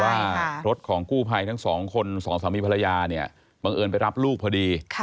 ว่ารถของกู้ภัยทั้งสองคนสองสามีภรรยาเนี่ยบังเอิญไปรับลูกพอดี